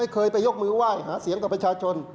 ก็ยกมือไหว้หาเสียงต่อประชาชน